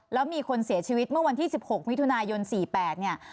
แล้วมีคนเสียชีวิตเมื่อวันที่๑๖มิถุนายน๔๘เนี่ย